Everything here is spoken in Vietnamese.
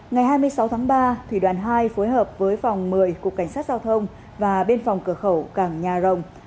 ngày hai mươi sáu tháng ba thủy đoàn hai phối hợp với phòng một mươi cục cảnh sát giao thông và biên phòng cửa khẩu cảng nhà rồng